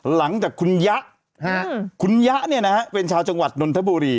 หลังจากคุณยะคุณยะเนี่ยนะฮะเป็นชาวจังหวัดนนทบุรี